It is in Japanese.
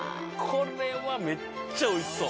これはめっちゃ美味しそう。